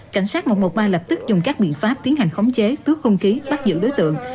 cảnh sát một trăm một mươi ba lập tức dùng các biện pháp tiến hành khống chế cướp không khí bắt giữ đối tượng